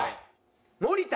森田。